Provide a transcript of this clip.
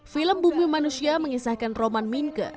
film bumi manusia mengisahkan roman minke